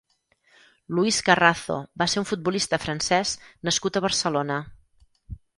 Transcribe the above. Luis Cazarro va ser un futbolista francès nascut a Barcelona.